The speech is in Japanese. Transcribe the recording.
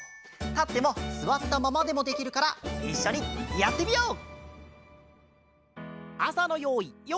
たってもすわったままでもできるからいっしょにやってみよう！